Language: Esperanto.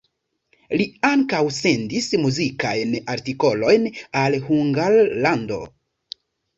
Li ankaŭ sendis muzikajn artikolojn al Hungarlando.